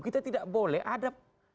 kita tidak boleh ada